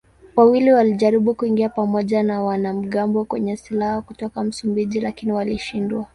Wawili walijaribu kuingia pamoja na wanamgambo wenye silaha kutoka Msumbiji lakini walishindwa.